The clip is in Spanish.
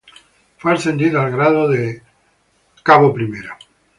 Fue ascendido al grado de coronel.